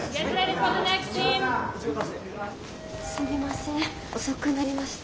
すみません遅くなりました。